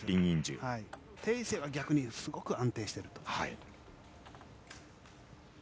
テイ・イセイは逆にすごく安定していると。